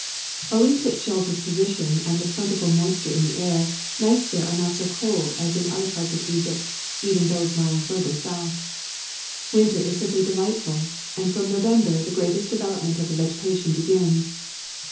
Owing to its sheltered position and the plentiful moisture in the air, nights there are not so cold as in other parts of Egypt, even those lying further south. Winter is simply delightful, and from November the greatest development of the vegetation begins.